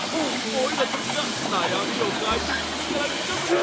オイラたちがなやみをかいけつするからきかせてごらん！